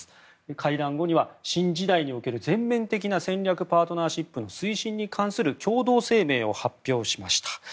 会談後には、新時代における全面的な戦略パートナーシップの推進に関する共同声明を発表しました。